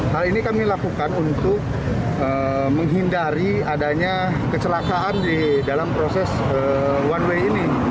hal ini kami lakukan untuk menghindari adanya kecelakaan di dalam proses one way ini